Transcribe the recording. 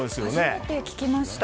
初めて聞きました。